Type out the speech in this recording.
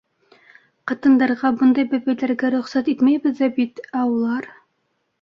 Ҡатындарға бында бәпәйләргә рөхсәт итмәйбеҙ ҙә бит, ә улар...